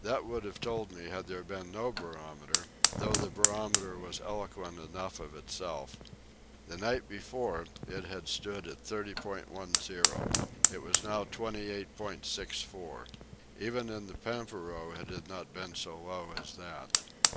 That would have told me had there been no barometer, though the barometer was eloquent enough of itself. The night before it had stood at 30.10. It was now 28.64. Even in the pampero it had not been so low as that.